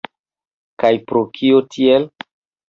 Kaj pro kio tiel?